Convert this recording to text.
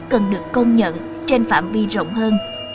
cần được công nhận trên phạm vi rộng hơn